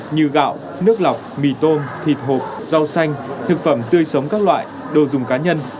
như gạo nước lọc mì tôm thịt hộp rau xanh thực phẩm tươi sống các loại đồ dùng cá nhân